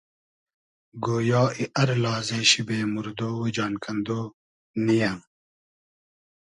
گۉیا ای ار لازې شی بې موردۉ و جان کئندۉ نییۂ